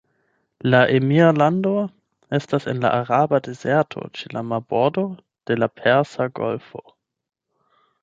La emirlando estas en la Araba Dezerto ĉe la marbordo de la Persa Golfo.